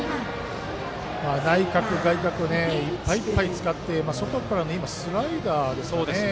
内角、外角をいっぱいいっぱい使って外から、スライダーですかね。